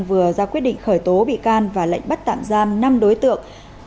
vừa ra quyết định khởi tố bị can và lệnh bắt tạm giam năm đối tượng